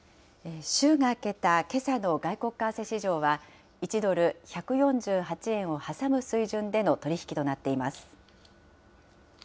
週が明けたけさの外国為替市場は、１ドル１４８円を挟む水準での取り引きとなっています。